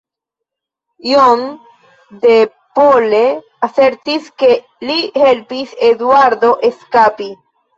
John de la Pole asertis ke li helpis Eduardo eskapi.